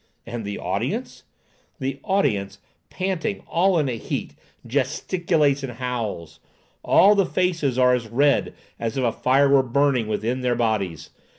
And the audience! The audience, panting, all in a heat, gesticulates and howls. All the faces are as red as if a fire were burning within their bodies.